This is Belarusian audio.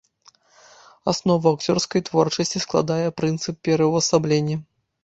Аснову акцёрскай творчасці складае прынцып пераўвасаблення.